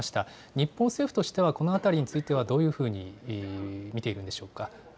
日本政府としてはこの辺りについては、どのように見ているんでしょうか。